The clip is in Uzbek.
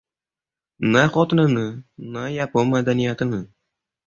Na xotinini, na yapon madaniyatini